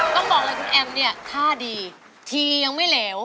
ต้องบอกเลยคุณแอมเนี่ยท่าดีทียังไม่เหลว